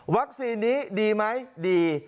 วัคซีนนี้ดีไหมดี